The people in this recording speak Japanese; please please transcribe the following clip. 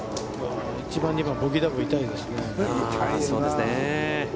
１番、２番、ボギーダブル、痛いですね。